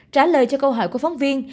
trả lời cho câu hỏi của phóng viên